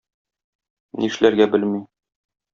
Нишләргә белми.